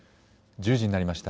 １０時になりました。